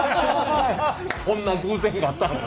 こんな偶然があったのか。